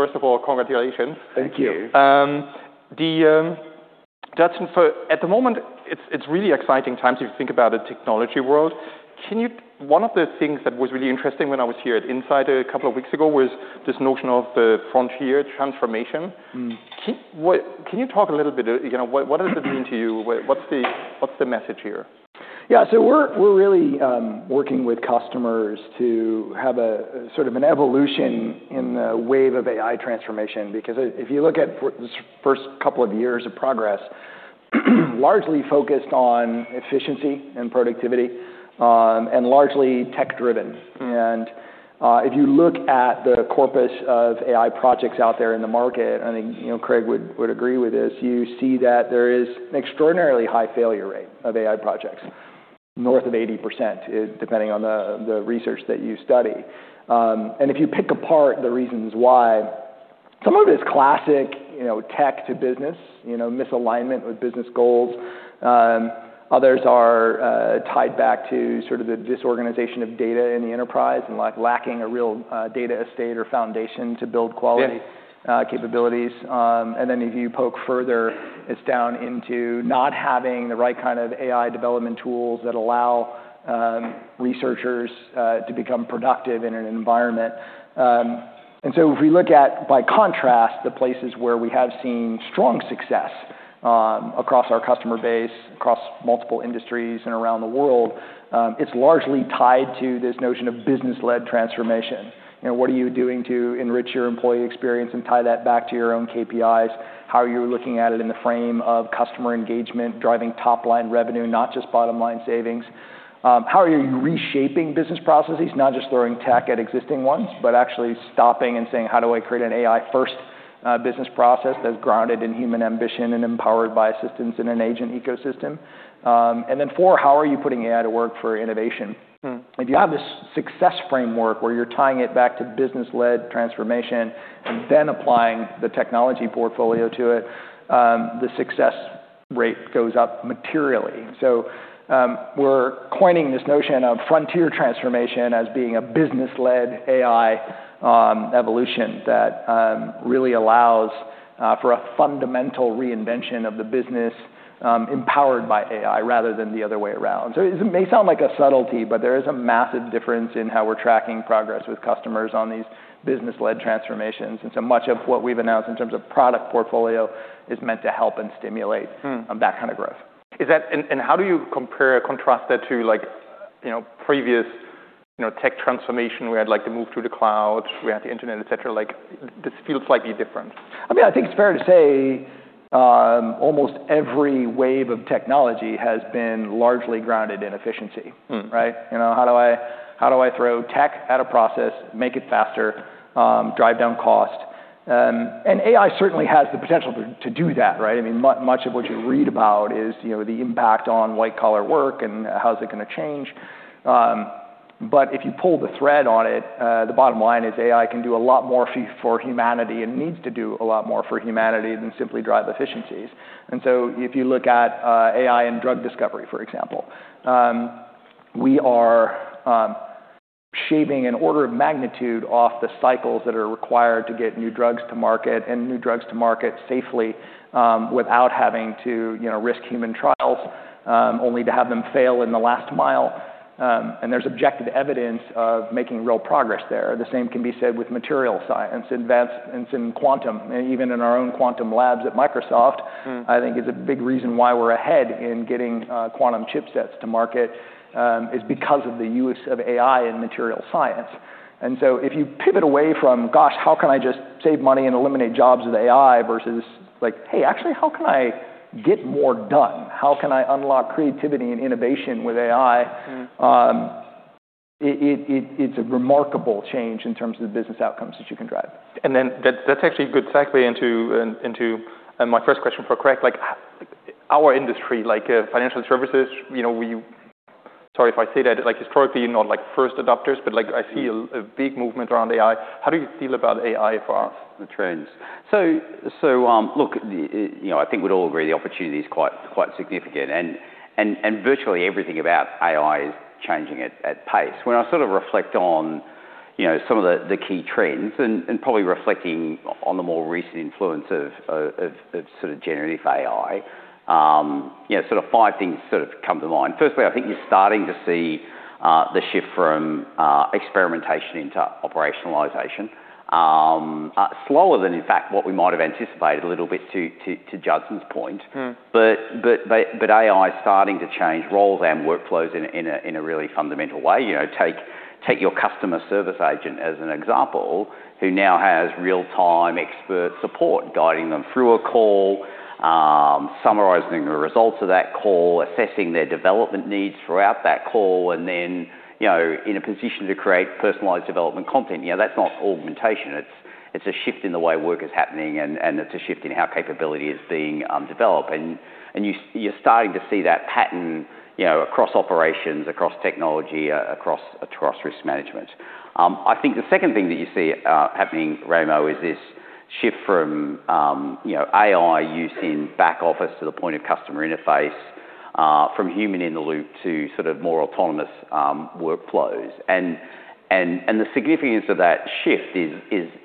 First of all, congratulations. Thank you. That's where it's at the moment. It's really exciting times if you think about the technology world. One of the things that was really interesting when I was here at Insider a couple of weeks ago was this notion of the frontier transformation. Can you talk a little bit? You know, what does it mean to you? What's the message here? Yeah. So we're really working with customers to have a sort of an evolution in the wave of AI transformation because if you look at the first couple of years of progress, largely focused on efficiency and productivity, and largely tech-driven. And if you look at the corpus of AI projects out there in the market, I think you know Craig would agree with this. You see that there is an extraordinarily high failure rate of AI projects, north of 80%, depending on the research that you study. And if you pick apart the reasons why, some of it is classic you know tech to business you know misalignment with business goals. Others are tied back to sort of the disorganization of data in the enterprise and like lacking a real data estate or foundation to build quality. Yes. Capabilities. And then if you poke further, it's down into not having the right kind of AI development tools that allow researchers to become productive in an environment. And so if we look at by contrast the places where we have seen strong success across our customer base, across multiple industries and around the world, it's largely tied to this notion of business-led transformation. You know, what are you doing to enrich your employee experience and tie that back to your own KPIs? How are you looking at it in the frame of customer engagement, driving top-line revenue, not just bottom-line savings? How are you reshaping business processes, not just throwing tech at existing ones, but actually stopping and saying, "How do I create an AI-first business process that's grounded in human ambition and empowered by assistance in an agent ecosystem?" And then four, how are you putting AI to work for innovation? If you have this success framework where you're tying it back to business-led transformation and then applying the technology portfolio to it, the success rate goes up materially. We're coining this notion of frontier transformation as being a business-led AI evolution that really allows for a fundamental reinvention of the business, empowered by AI rather than the other way around. It may sound like a subtlety, but there is a massive difference in how we're tracking progress with customers on these business-led transformations, so much of what we've announced in terms of product portfolio is meant to help and stimulate that kind of growth. Is that and how do you compare or contrast that to, like, you know, previous, you know, tech transformation where you'd like to move to the cloud, we have the internet, etc.? Like, this feels slightly different. I mean, I think it's fair to say, almost every wave of technology has been largely grounded in efficiency. Right? You know, how do I throw tech at a process, make it faster, drive down cost, and AI certainly has the potential to do that, right? I mean, much of what you read about is, you know, the impact on white-collar work and how's it gonna change, but if you pull the thread on it, the bottom line is AI can do a lot more for humanity and needs to do a lot more for humanity than simply drive efficiencies. And so if you look at AI in drug discovery, for example, we are shaving an order of magnitude off the cycles that are required to get new drugs to market and new drugs to market safely, without having to, you know, risk human trials only to have them fail in the last mile. And there's objective evidence of making real progress there. The same can be said with material science, advancements in quantum, and even in our own quantum labs at Microsoft. I think is a big reason why we're ahead in getting quantum chipsets to market is because of the use of AI in material science. And so if you pivot away from "Gosh, how can I just save money and eliminate jobs with AI?" versus, like, "Hey, actually, how can I get more done? How can I unlock creativity and innovation with AI?" It's a remarkable change in terms of the business outcomes that you can drive. That's actually a good segue into my first question for Craig. Like, our industry, like, financial services, you know, we, sorry if I say that, like, historically, you're not, like, first adopters, but, like, I see a big movement around AI. How do you feel about AI for us? The trends? So, look, you know, I think we'd all agree the opportunity is quite, quite significant, and virtually everything about AI is changing at a pace. When I sort of reflect on, you know, some of the key trends and probably reflecting on the more recent influence of sort of generative AI, you know, sort of five things sort of come to mind. Firstly, I think you're starting to see the shift from experimentation into operationalization, slower than, in fact, what we might have anticipated a little bit to Judson's point, but AI's starting to change roles and workflows in a really fundamental way. You know, take your customer service agent as an example who now has real-time expert support guiding them through a call, summarizing the results of that call, assessing their development needs throughout that call, and then, you know, in a position to create personalized development content. You know, that's not augmentation. It's a shift in the way work is happening, and it's a shift in how capability is being developed. And you're starting to see that pattern, you know, across operations, across technology, across risk management. I think the second thing that you see happening, Raimo, is this shift from, you know, AI use in back office to the point of customer interface, from human-in-the-loop to sort of more autonomous workflows. And the significance of that shift is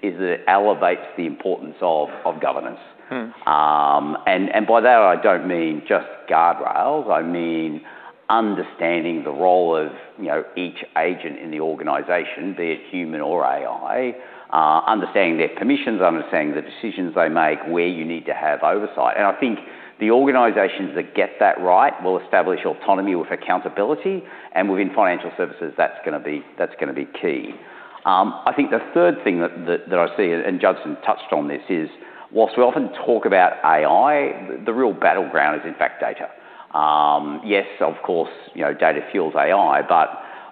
it elevates the importance of governance. And by that, I don't mean just guardrails. I mean understanding the role of, you know, each agent in the organization, be it human or AI, understanding their permissions, understanding the decisions they make, where you need to have oversight. And I think the organizations that get that right will establish autonomy with accountability. And within financial services, that's gonna be key. I think the third thing that I see, and Judson touched on this is, whilst we often talk about AI, the real battleground is, in fact, data. Yes, of course, you know, data fuels AI,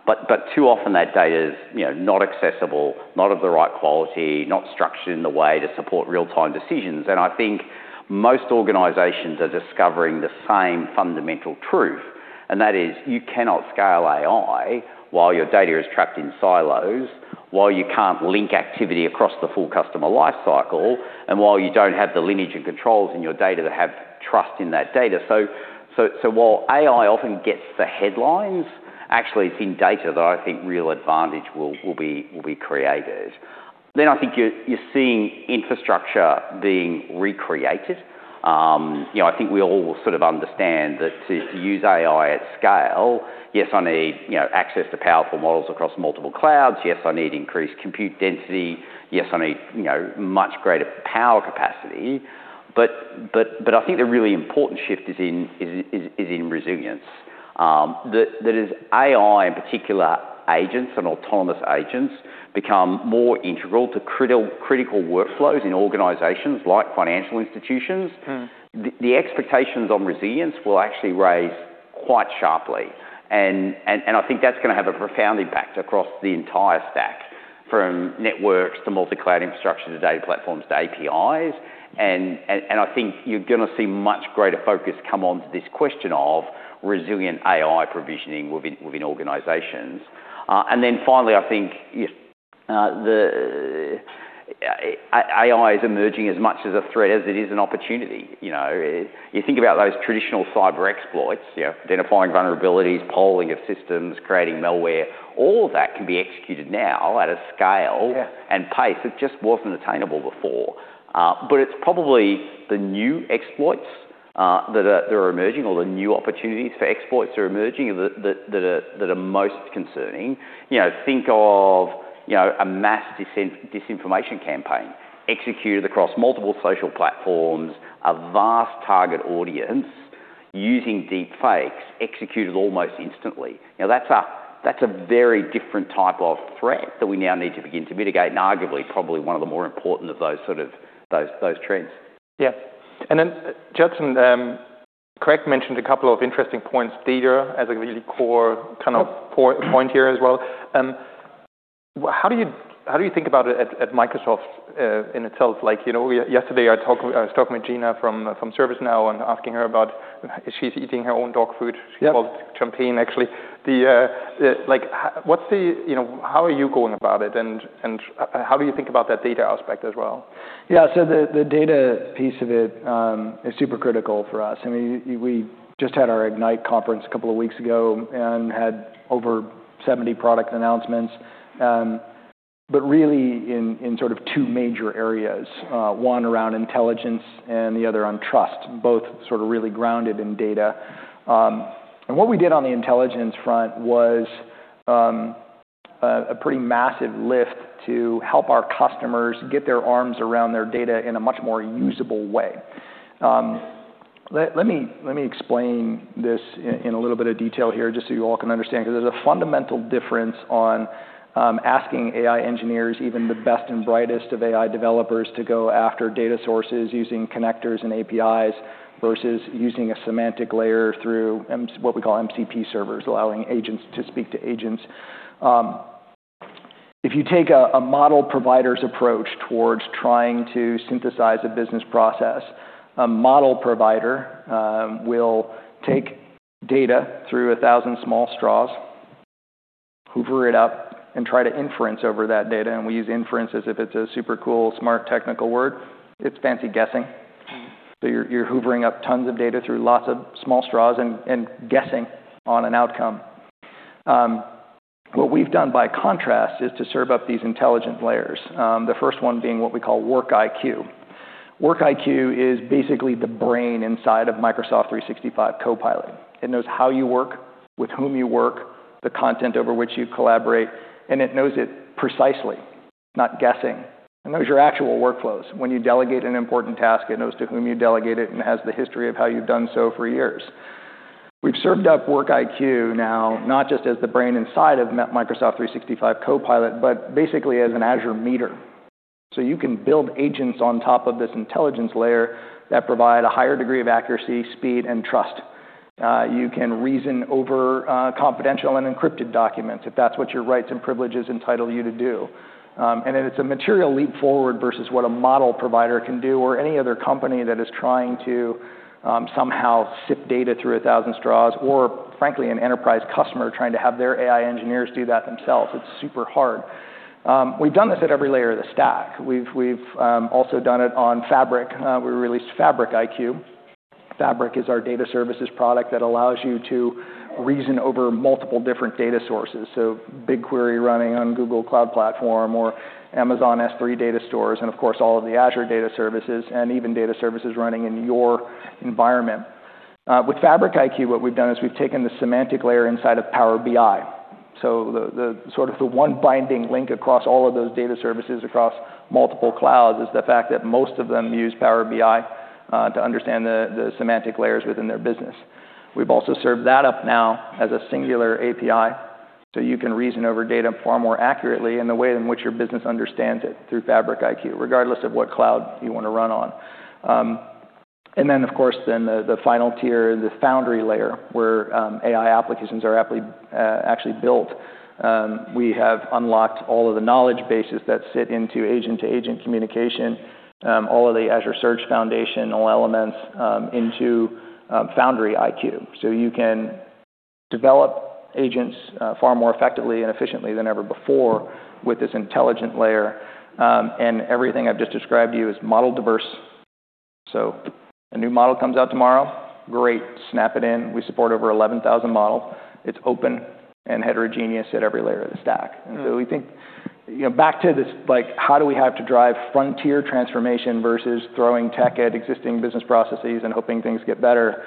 but too often that data is, you know, not accessible, not of the right quality, not structured in the way to support real-time decisions. And I think most organizations are discovering the same fundamental truth, and that is you cannot scale AI while your data is trapped in silos, while you can't link activity across the full customer lifecycle, and while you don't have the lineage and controls in your data that have trust in that data. So while AI often gets the headlines, actually, it's in data that I think real advantage will be created. Then I think you're seeing infrastructure being recreated. You know, I think we all sort of understand that to use AI at scale, yes, I need, you know, access to powerful models across multiple clouds. Yes, I need increased compute density. Yes, I need, you know, much greater power capacity. But I think the really important shift is in resilience. That as AI, in particular, agents and autonomous agents become more integral to critical workflows in organizations like financial institutions. The expectations on resilience will actually rise quite sharply. And I think that's gonna have a profound impact across the entire stack, from networks to multi-cloud infrastructure to data platforms to APIs. And I think you're gonna see much greater focus come onto this question of resilient AI provisioning within organizations. And then finally, I think, you know, the AI is emerging as much as a threat as it is an opportunity. You know, you think about those traditional cyber exploits, you know, identifying vulnerabilities, polling of systems, creating malware. All of that can be executed now at a scale. Yeah. And pace that just wasn't attainable before. It's probably the new exploits that are emerging or the new opportunities for exploits that are emerging that are most concerning. You know, think of, you know, a mass disinformation campaign executed across multiple social platforms, a vast target audience using deepfakes executed almost instantly. You know, that's a very different type of threat that we now need to begin to mitigate and arguably probably one of the more important of those sort of those trends. Yeah. And then Judson, Craig mentioned a couple of interesting points. Therefore, as a really core kind of point here as well, how do you think about it at Microsoft in itself? Like, you know, yesterday I was talking with Gina from ServiceNow and asking her about she's eating her own dog food. Yeah. She calls it champagne, actually. Like, how, what's the, you know, how are you going about it? And how do you think about that data aspect as well? Yeah, so the data piece of it is super critical for us. I mean, we just had our Ignite conference a couple of weeks ago and had over 70 product announcements, but really in sort of two major areas, one around intelligence and the other on trust, both sort of really grounded in data, and what we did on the intelligence front was a pretty massive lift to help our customers get their arms around their data in a much more usable way. Let me explain this in a little bit of detail here just so you all can understand 'cause there's a fundamental difference on asking AI engineers, even the best and brightest of AI developers, to go after data sources using connectors and APIs versus using a semantic layer through what we call MCP servers, allowing agents to speak to agents. If you take a model provider's approach towards trying to synthesize a business process, a model provider will take data through a thousand small straws, hoover it up, and try to inference over that data, and we use inference as if it's a super cool, smart technical word. It's fancy guessing. So you're hoovering up tons of data through lots of small straws and guessing on an outcome. What we've done, by contrast, is to serve up these intelligent layers. The first one being what we call Work IQ. Work IQ is basically the brain inside of Microsoft 365 Copilot. It knows how you work, with whom you work, the content over which you collaborate, and it knows it precisely, not guessing. It knows your actual workflows. When you delegate an important task, it knows to whom you delegate it and has the history of how you've done so for years. We've served up Work IQ now not just as the brain inside of Microsoft 365 Copilot, but basically as an Azure service. So you can build agents on top of this intelligence layer that provide a higher degree of accuracy, speed, and trust. You can reason over confidential and encrypted documents if that's what your rights and privileges entitle you to do, and then it's a material leap forward versus what a model provider can do or any other company that is trying to somehow sip data through a thousand straws or, frankly, an enterprise customer trying to have their AI engineers do that themselves. It's super hard. We've done this at every layer of the stack. We've also done it on Fabric. We released Fabric IQ. Fabric is our data services product that allows you to reason over multiple different data sources. So BigQuery running on Google Cloud Platform or Amazon S3 data stores and, of course, all of the Azure data services and even data services running in your environment. With Fabric IQ, what we've done is we've taken the semantic layer inside of Power BI. So the sort of the one binding link across all of those data services across multiple clouds is the fact that most of them use Power BI to understand the semantic layers within their business. We've also served that up now as a singular API so you can reason over data far more accurately in the way in which your business understands it through Fabric IQ, regardless of what cloud you wanna run on. And then, of course, the final tier, the Foundry layer where AI applications are aptly actually built. We have unlocked all of the knowledge bases that sit into agent-to-agent communication, all of the Azure Search foundations, all elements into Foundry IQ. So you can develop agents far more effectively and efficiently than ever before with this intelligent layer. And everything I've just described to you is model diverse. So, a new model comes out tomorrow? Great, snap it in. We support over 11,000 models. It's open and heterogeneous at every layer of the stack. And so we think, you know, back to this, like, how do we have to drive frontier transformation versus throwing tech at existing business processes and hoping things get better?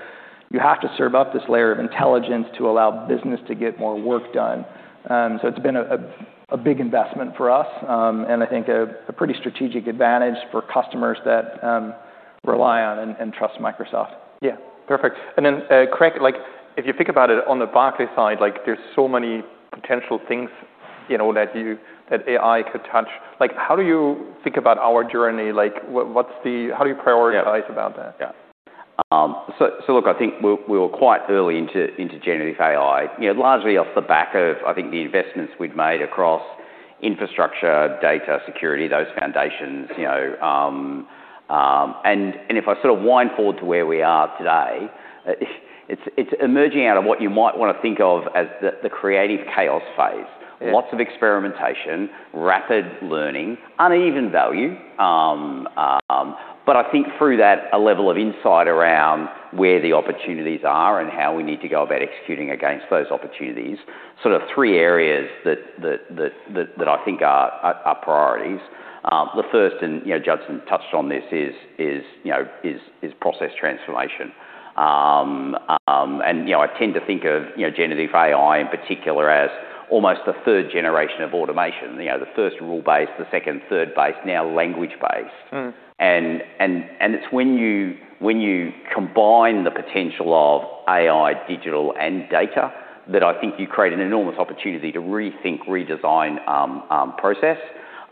You have to serve up this layer of intelligence to allow business to get more work done. So it's been a big investment for us, and I think a pretty strategic advantage for customers that rely on and trust Microsoft. Yeah, perfect. And then, Craig, if you think about it on the Barclays side, like, there's so many potential things, you know, that you, that AI could touch. Like, how do you think about our journey? Like, how do you prioritize about that? Yeah. So look, I think we were quite early into generative AI, you know, largely off the back of, I think, the investments we'd made across infrastructure, data, security, those foundations, you know, and if I sort of wind forward to where we are today, it's emerging out of what you might wanna think of as the creative chaos phase. Yeah. Lots of experimentation, rapid learning, uneven value, but I think through that, a level of insight around where the opportunities are and how we need to go about executing against those opportunities. Sort of three areas that I think are priorities. The first, and, you know, Judson touched on this is process transformation. And, you know, I tend to think of, you know, generative AI in particular as almost the third generation of automation. You know, the first rule-based, the second RPA-based, now language-based. And it's when you, when you combine the potential of AI, digital, and data that I think you create an enormous opportunity to rethink, redesign, process,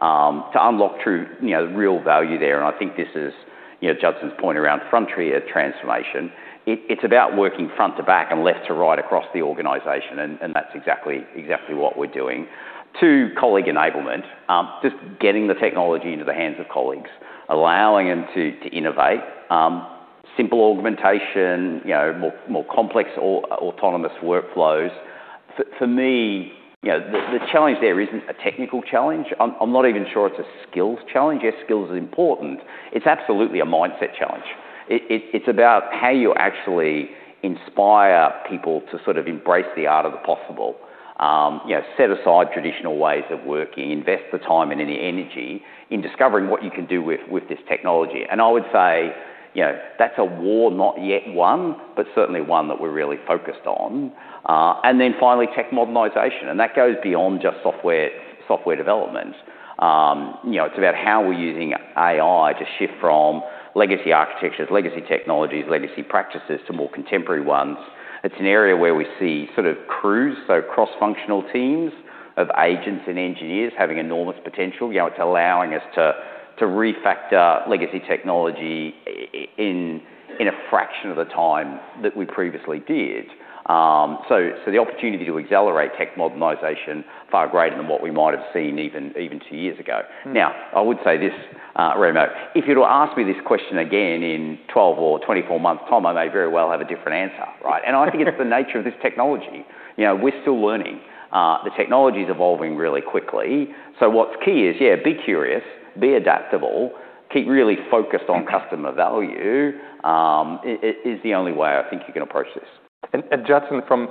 to unlock true, you know, real value there. And I think this is, you know, Judson's point around frontier transformation. It's about working front to back and left to right across the organization. And that's exactly what we're doing. To colleague enablement, just getting the technology into the hands of colleagues, allowing them to innovate, simple augmentation, you know, more complex autonomous workflows. For me, you know, the challenge there isn't a technical challenge. I'm not even sure it's a skills challenge. Yes, skills are important. It's absolutely a mindset challenge. It's about how you actually inspire people to sort of embrace the art of the possible, you know, set aside traditional ways of working, invest the time and the energy in discovering what you can do with this technology. And I would say, you know, that's a war not yet won, but certainly one that we're really focused on. And then finally, tech modernization. And that goes beyond just software, software development. You know, it's about how we're using AI to shift from legacy architectures, legacy technologies, legacy practices to more contemporary ones. It's an area where we see cross-functional teams of agents and engineers having enormous potential. You know, it's allowing us to refactor legacy technology in a fraction of the time that we previously did. So the opportunity to accelerate tech modernization far greater than what we might have seen even two years ago. Now, I would say this, Raimo. If you were to ask me this question again in 12 or 24 months' time, I may very well have a different answer, right? And I think it's the nature of this technology. You know, we're still learning. The technology's evolving really quickly. So what's key is, yeah, be curious, be adaptable, keep really focused on customer value. It is the only way I think you can approach this. Judson, from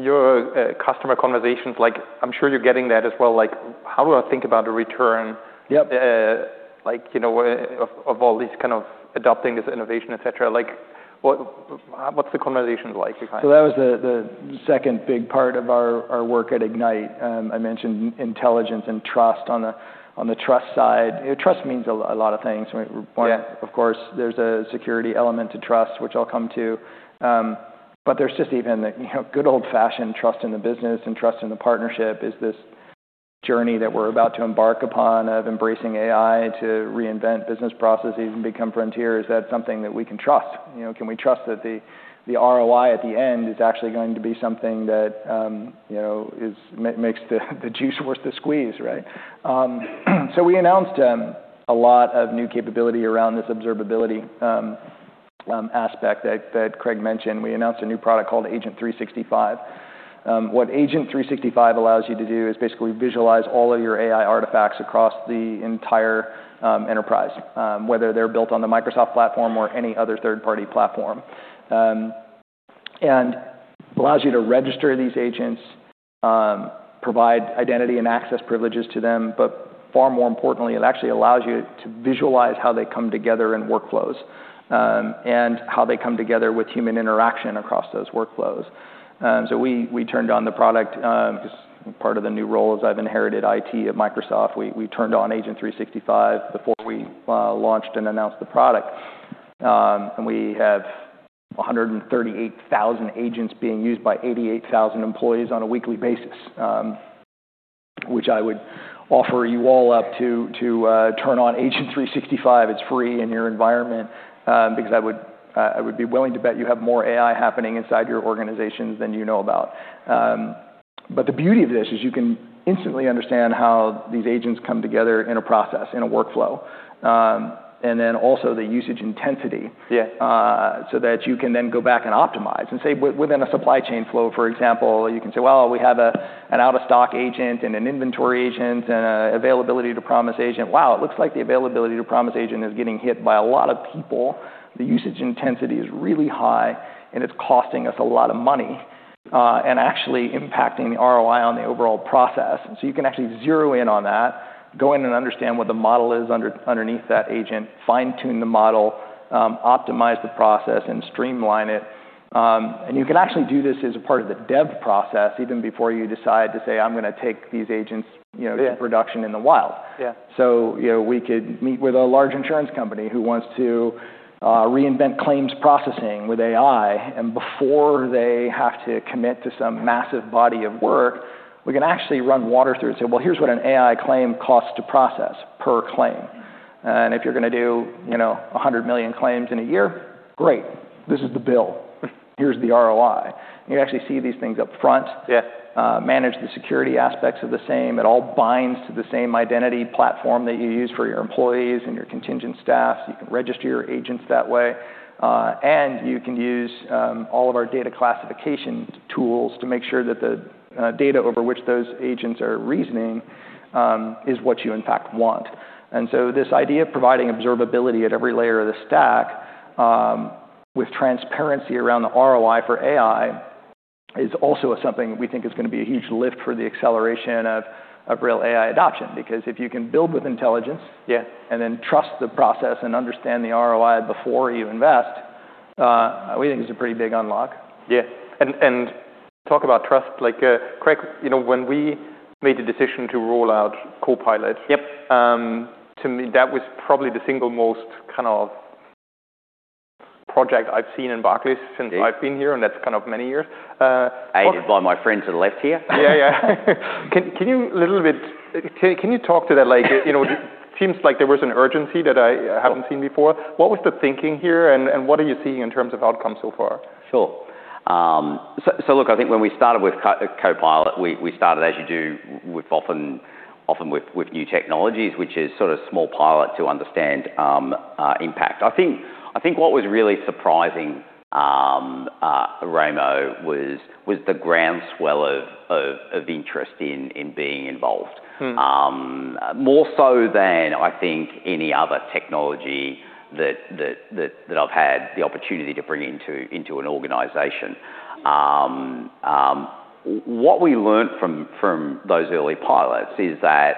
your customer conversations, like, I'm sure you're getting that as well. Like, how do I think about the return? Yep. like, you know, of all these kind of adopting this innovation, etc. Like, what's the conversation like behind? So that was the second big part of our work at Ignite. I mentioned intelligence and trust on the trust side. You know, trust means a lot of things. We want. Yeah. Of course, there's a security element to trust, which I'll come to, but there's just even the, you know, good old-fashioned trust in the business and trust in the partnership is this journey that we're about to embark upon of embracing AI to reinvent business processes and become frontiers. Is that something that we can trust? You know, can we trust that the ROI at the end is actually going to be something that, you know, is makes the juice worth the squeeze, right? So we announced a lot of new capability around this observability aspect that Craig mentioned. We announced a new product called Agent 365. What Agent 365 allows you to do is basically visualize all of your AI artifacts across the entire enterprise, whether they're built on the Microsoft platform or any other third-party platform. And allows you to register these agents, provide identity and access privileges to them. But far more importantly, it actually allows you to visualize how they come together in workflows, and how they come together with human interaction across those workflows. We turned on the product, 'cause part of the new role is I've inherited IT at Microsoft. We turned on Agent 365 before we launched and announced the product. And we have 138,000 agents being used by 88,000 employees on a weekly basis, which I would offer you all up to turn on Agent 365. It's free in your environment, because I would be willing to bet you have more AI happening inside your organizations than you know about. But the beauty of this is you can instantly understand how these agents come together in a process, in a workflow, and then also the usage intensity. Yeah. So that you can then go back and optimize and say, within a supply chain flow, for example, you can say, "Well, we have an out-of-stock agent and an inventory agent and a availability-to-promise agent. Wow, it looks like the availability-to-promise agent is getting hit by a lot of people. The usage intensity is really high, and it's costing us a lot of money, and actually impacting the ROI on the overall process." So you can actually zero in on that, go in and understand what the model is under, underneath that agent, fine-tune the model, optimize the process, and streamline it. And you can actually do this as a part of the dev process even before you decide to say, "I'm gonna take these agents, you know. Yeah. To production in the wild. Yeah. So, you know, we could meet with a large insurance company who wants to reinvent claims processing with AI. And before they have to commit to some massive body of work, we can actually run water through and say, "Well, here's what an AI claim costs to process per claim." And if you're gonna do, you know, 100 million claims in a year, great. This is the bill. Here's the ROI. You actually see these things upfront. Yeah. Manage the security aspects of the same. It all binds to the same identity platform that you use for your employees and your contingent staff. You can register your agents that way, and you can use all of our data classification tools to make sure that the data over which those agents are reasoning is what you in fact want, and so this idea of providing observability at every layer of the stack, with transparency around the ROI for AI is also something we think is gonna be a huge lift for the acceleration of, of real AI adoption. Because if you can build with intelligence. Yeah. And then trust the process and understand the ROI before you invest. We think it's a pretty big unlock. Yeah, and talk about trust. Like, Craig, you know, when we made the decision to roll out Copilot. Yep. To me, that was probably the single most kind of project I've seen in Barclays since I've been here. Yep. And that's kind of many years. Aided by my friends to the left here. Yeah, yeah. Can you talk to that a little bit? Like, you know, it seems like there was an urgency that I haven't seen before. What was the thinking here and what are you seeing in terms of outcome so far? Sure. So look, I think when we started with Copilot, we started, as you do, with often, often with new technologies, which is sort of small pilot to understand impact. I think what was really surprising, Raimo, was the groundswell of interest in being involved, more so than I think any other technology that I've had the opportunity to bring into an organization. What we learned from those early pilots is that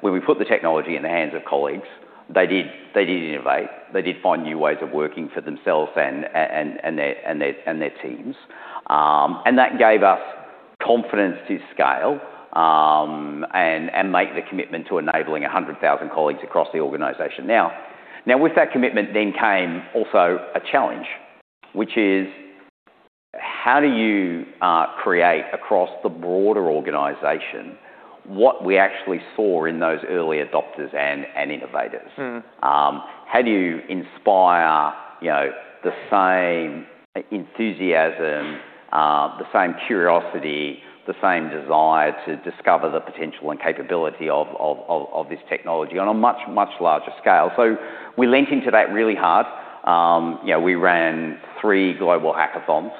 when we put the technology in the hands of colleagues, they did innovate. They did find new ways of working for themselves and their teams. That gave us confidence to scale and make the commitment to enabling 100,000 colleagues across the organization. Now with that commitment then came also a challenge, which is how do you create across the broader organization what we actually saw in those early adopters and innovators? How do you inspire, you know, the same enthusiasm, the same curiosity, the same desire to discover the potential and capability of this technology on a much larger scale? So we leaned into that really hard. You know, we ran three global hackathons,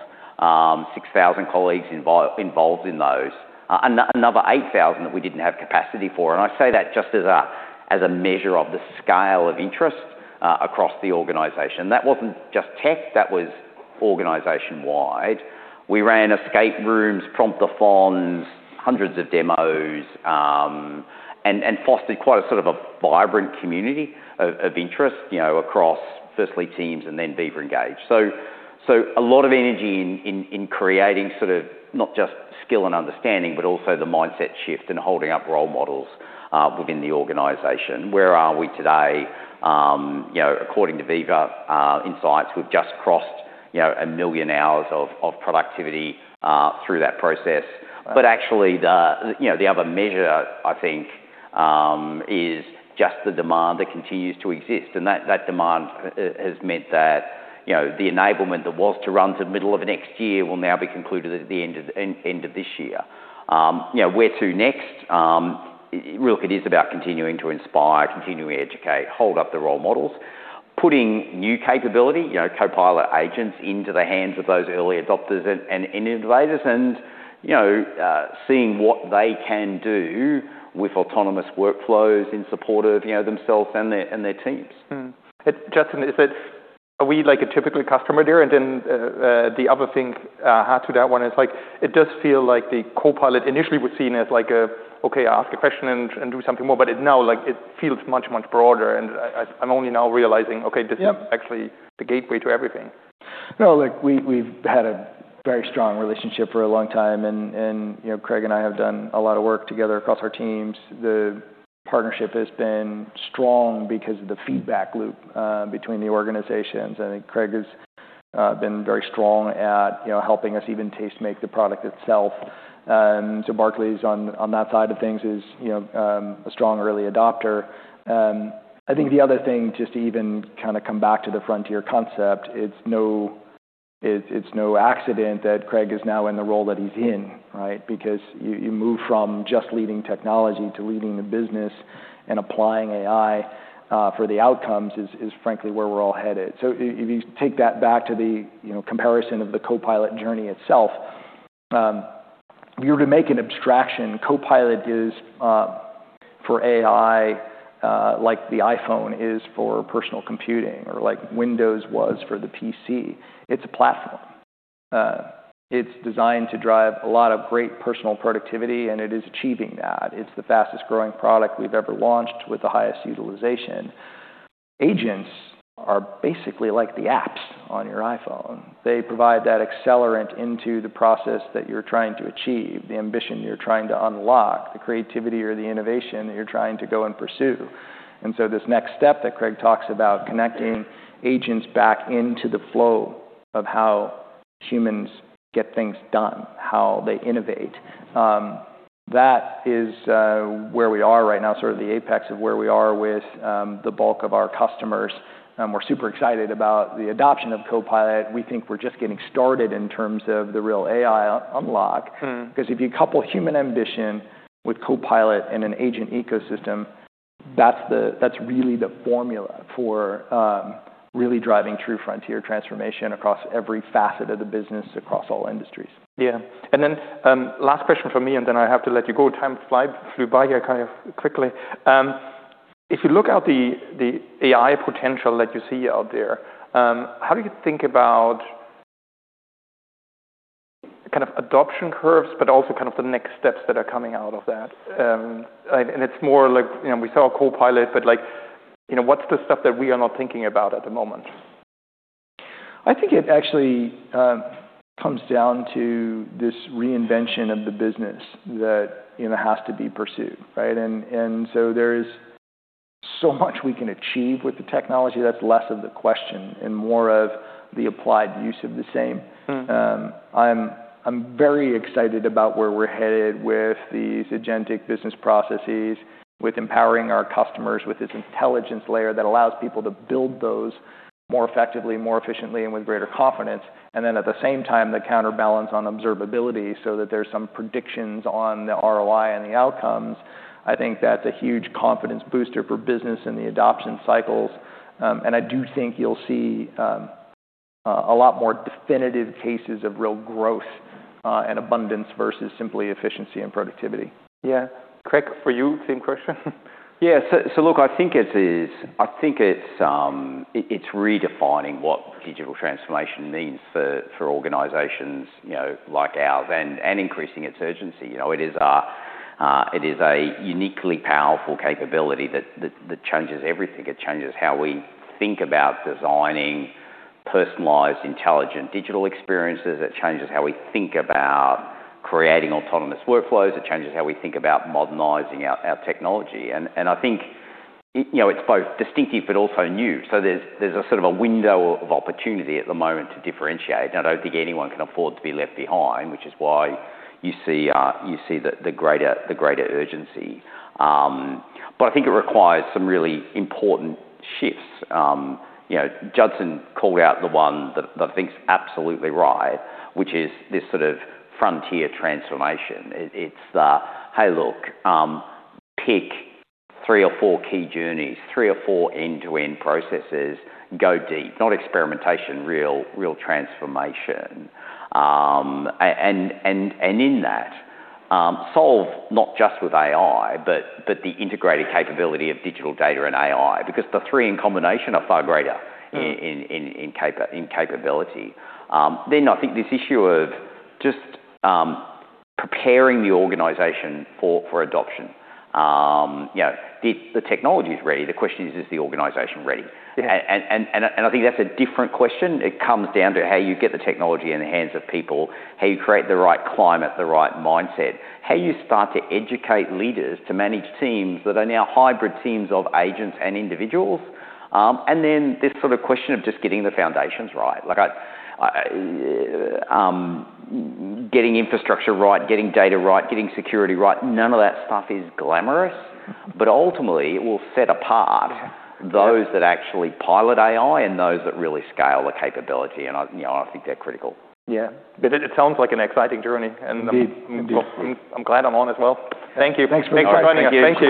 6,000 colleagues involved in those, another 8,000 that we didn't have capacity for. And I say that just as a measure of the scale of interest across the organization. That wasn't just tech. That was organization-wide. We ran escape rooms, prompter farms, hundreds of demos, and fostered quite a sort of a vibrant community of interest, you know, across firstly Teams and then Viva Engage. A lot of energy in creating sort of not just skill and understanding, but also the mindset shift and holding up role models, within the organization. Where are we today? You know, according to Viva Insights, we've just crossed, you know, a million hours of productivity, through that process. But actually the, you know, the other measure, I think, is just the demand that continues to exist. And that demand has meant that, you know, the enablement that was to run to the middle of next year will now be concluded at the end of this year. You know, where to next? Really, it is about continuing to inspire, continuing to educate, hold up the role models, putting new capability, you know, Copilot agents into the hands of those early adopters and innovators and, you know, seeing what they can do with autonomous workflows in support of, you know, themselves and their teams. Judson, is it? Are we like a typical customer here? And then, the other thing, it does feel like the Copilot initially was seen as like a, okay, I ask a question and, and do something more. But now, like, it feels much, much broader. And I, I'm only now realizing, okay, this is. Yep. Actually the gateway to everything. No, like, we've had a very strong relationship for a long time, and you know, Craig and I have done a lot of work together across our teams. The partnership has been strong because of the feedback loop between the organizations. I think Craig has been very strong at, you know, helping us even taste-make the product itself, so Barclays on that side of things is, you know, a strong early adopter. I think the other thing, just to even kind of come back to the frontier concept, it's no accident that Craig is now in the role that he's in, right? Because you move from just leading technology to leading the business and applying AI for the outcomes is frankly where we're all headed. So if you take that back to the, you know, comparison of the Copilot journey itself, if you were to make an abstraction, Copilot is, for AI, like the iPhone is for personal computing or like Windows was for the PC. It's a platform. It's designed to drive a lot of great personal productivity, and it is achieving that. It's the fastest growing product we've ever launched with the highest utilization. Agents are basically like the apps on your iPhone. They provide that accelerant into the process that you're trying to achieve, the ambition you're trying to unlock, the creativity or the innovation that you're trying to go and pursue. And so this next step that Craig talks about, connecting agents back into the flow of how humans get things done, how they innovate, that is where we are right now, sort of the apex of where we are with the bulk of our customers. We're super excited about the adoption of Copilot. We think we're just getting started in terms of the real AI unlock. Because if you couple human ambition with Copilot and an agent ecosystem, that's really the formula for really driving true frontier transformation across every facet of the business, across all industries. Yeah. And then, last question for me, and then I have to let you go. Time flies, flew by here kind of quickly. If you look at the AI potential that you see out there, how do you think about kind of adoption curves, but also kind of the next steps that are coming out of that? And, and it's more like, you know, we saw Copilot, but like, you know, what's the stuff that we are not thinking about at the moment? I think it actually comes down to this reinvention of the business that, you know, has to be pursued, right? And so there is so much we can achieve with the technology. That's less of the question and more of the applied use of the same. I'm very excited about where we're headed with these agentic business processes, with empowering our customers with this intelligence layer that allows people to build those more effectively, more efficiently, and with greater confidence. And then at the same time, the counterbalance on observability so that there's some predictions on the ROI and the outcomes. I think that's a huge confidence booster for business in the adoption cycles. I do think you'll see a lot more definitive cases of real growth, and abundance versus simply efficiency and productivity. Yeah. Craig, for you, same question? Yeah, so look, I think it's redefining what digital transformation means for organizations, you know, like ours and increasing its urgency. You know, it is a uniquely powerful capability that changes everything. It changes how we think about designing personalized, intelligent digital experiences. It changes how we think about creating autonomous workflows. It changes how we think about modernizing our technology, and I think, you know, it's both distinctive but also new, so there's a sort of a window of opportunity at the moment to differentiate, and I don't think anyone can afford to be left behind, which is why you see the greater urgency, but I think it requires some really important shifts. You know, Judson called out the one that I think's absolutely right, which is this sort of frontier transformation. It's, hey, look, pick three or four key journeys, three or four end-to-end processes, go deep. Not experimentation, real, real transformation. And in that, solve not just with AI, but the integrated capability of digital data and AI, because the three in combination are far greater in capability. Then I think this issue of just preparing the organization for adoption. You know, the technology's ready. The question is, is the organization ready? Yeah. I think that's a different question. It comes down to how you get the technology in the hands of people, how you create the right climate, the right mindset, how you start to educate leaders to manage teams that are now hybrid teams of agents and individuals, and then this sort of question of just getting the foundations right. Like, getting infrastructure right, getting data right, getting security right, none of that stuff is glamorous. But ultimately, it will set apart those that actually pilot AI and those that really scale the capability, and, you know, I think they're critical. Yeah, but it sounds like an exciting journey, and I'm. Indeed. I'm glad I'm on as well. Thank you. Thanks for joining us. Thank you.